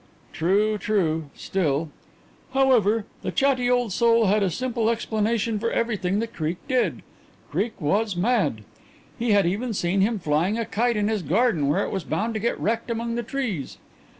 "True, true. Still " "However, the chatty old soul had a simple explanation for everything that Creake did. Creake was mad. He had even seen him flying a kite in his garden where it was bound to get wrecked among the trees.